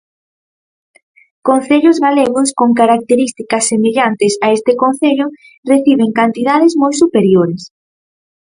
Concellos galegos con características semellantes a este concello reciben cantidades moi superiores.